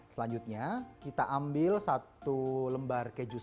selanjutnya kita ambil satu lembar keju